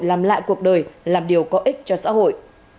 làm lại cuộc đời làm điều có ích cho xã hội